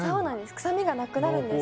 くさみがなくなるんです。